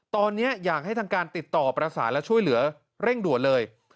ตอนนี้อยากให้ทางการติดต่อประสานและช่วยเหลือเร่งด่วนเลย